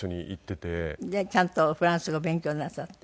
でちゃんとフランス語勉強なさった。